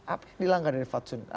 apa yang dilanggar dari fatsun